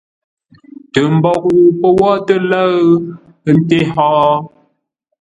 Tə mboʼ ŋuu pə̂ wó tə́ lə̂ʉ? Ńté hó?